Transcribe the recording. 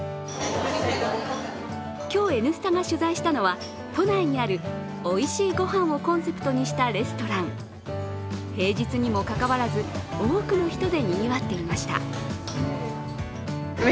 今日「Ｎスタ」が取材したのは都内にあるおいしいごはんをコンセプトにしたレストラン平日にもかかわらず多くの人でにぎわっていました。